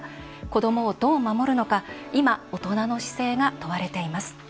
子どもをどう守るのか今、大人の姿勢が問われています。